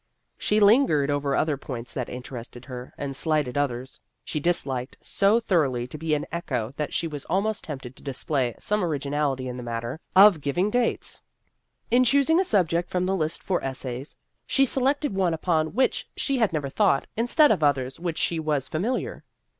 She lingered over points that interested her, and slighted others. She disliked so thoroughly to be an echo that she was almost tempted to display some originality in the matter of io6 Vassar Studies giving dates. In choosing a subject from the list for essays, she selected one upon which she had never thought instead of others with which she was familiar.